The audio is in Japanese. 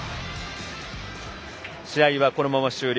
試合はこのまま終了。